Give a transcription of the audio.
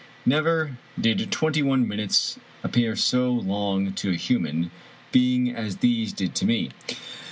Never did twenty one minutes appear so long to a hu man being as these did to me.